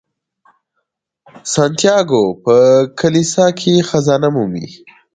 سانتیاګو په کلیسا کې خزانه مومي.